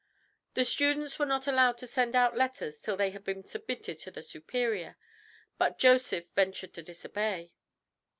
The students were not allowed to send out letters till they had been submitted to the Superior, but Joseph ventured to disobey.